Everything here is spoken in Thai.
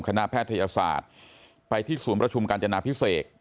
แพทยศาสตร์ไปที่ศูนย์ประชุมกาญจนาพิเศษ